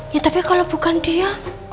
ya tapi kalau bukan dia